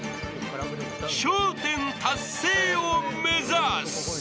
［笑１０達成を目指す］